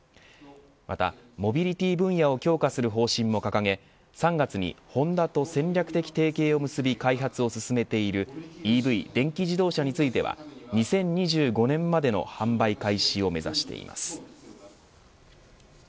またモビリティ分野を強化する方針も掲げ３月にホンダと戦略的提携を結び開発を進めているＥＶ、電気自動車については２０２５年までの販売開始を目指しています。